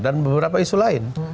dan beberapa isu lain